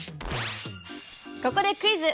ここでクイズ。